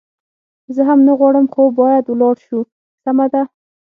زه هم نه غواړم، خو باید ولاړ شو، سمه ده.